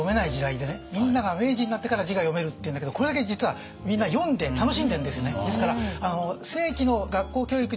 みんなが明治になってから字が読めるっていうんだけどこれだけ実はみんな読んで楽しんでんですね。